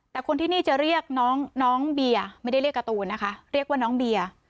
แต่คนที่นี่จะเรียกน้องน้องเบียร์ไม่ได้เรียกการ์ตูนนะคะเรียกว่าน้องเบียร์